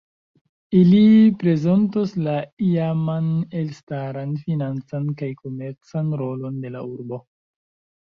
Ili prezentos la iaman elstaran financan kaj komercan rolon de la urbo.